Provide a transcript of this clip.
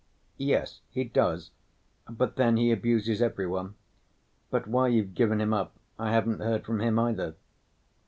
"Yes, he does; but then he abuses every one. But why you've given him up I haven't heard from him either.